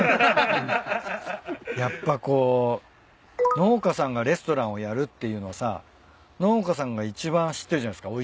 やっぱこう農家さんがレストランをやるっていうのはさ農家さんが一番知ってるじゃないっすか。